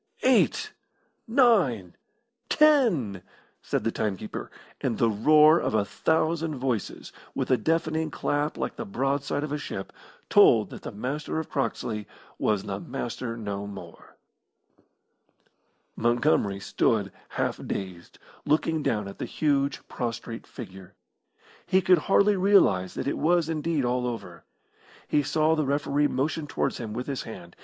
"Eight nine ten!" said the time keeper, and the roar of a thousand voices, with a deafening clap like the broad side of a ship, told that the Master of Croxley was the Master no more. Montgomery stood half dazed, looking down at the huge, prostrate figure. He could hardly realise that it was indeed all over. He saw the referee motion towards him with his hand.